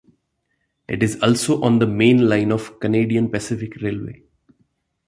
It is also on the main line of the Canadian Pacific Railway.